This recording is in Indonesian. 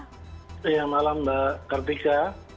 selamat malam mbak kartika